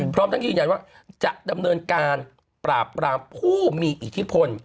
พร้อมทั้งยืนยันว่าจะดำเนินการปราบรามผู้มีอิทธิพล